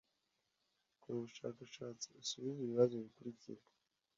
Kora ubushakashatsi usubize ibibazo bikurikira